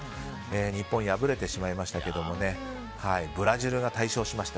日本、敗れてしまいましたけどねブラジルが大勝しました。